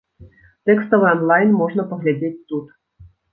Тэкставы анлайн можна паглядзець тут.